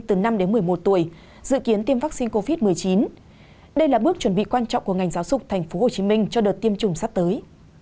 từ năm đến một mươi một tuổi dự kiến tiêm vaccine covid một mươi chín đây là bước chuẩn bị quan trọng của ngành giáo dục tp hcm cho đợt tiêm chủng sắp tới